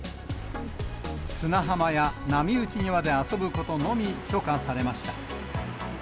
砂浜や波打ち際で遊ぶことのみ許可されました。